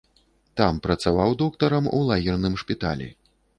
Там працаваў доктарам у лагерным шпіталі.